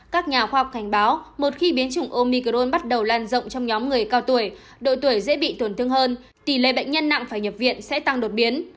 các nhà khoa học cảnh báo một khi biến chủng omicron bắt đầu lan rộng trong nhóm người cao tuổi độ tuổi dễ bị tổn thương hơn tỷ lệ bệnh nhân nặng phải nhập viện sẽ tăng đột biến